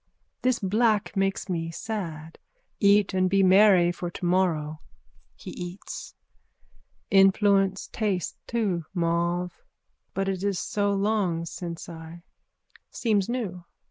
This black makes me sad. Eat and be merry for tomorrow. (He eats.) Influence taste too, mauve. But it is so long since I. Seems new.